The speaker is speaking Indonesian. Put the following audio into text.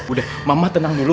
udah mama tenang dulu